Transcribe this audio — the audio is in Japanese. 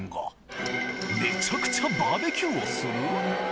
めちゃくちゃバーベキューをする？